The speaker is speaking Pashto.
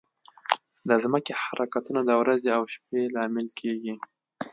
د ځمکې حرکتونه د ورځ او شپه لامل کېږي.